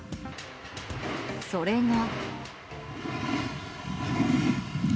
それが。